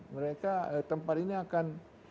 mereka tempat ini akan